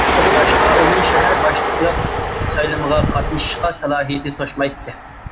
شۇڭلاشقا ئۇنىڭ شەھەر باشلىقلىق سايلىمىغا قاتنىشىشقا سالاھىيىتى توشمايتتى.